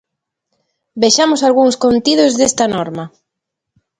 Vexamos algúns contidos desta norma.